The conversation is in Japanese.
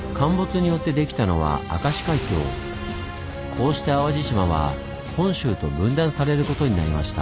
こうして淡路島は本州と分断されることになりました。